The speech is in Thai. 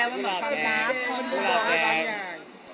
มันบุกบอกอะไรบางอย่าง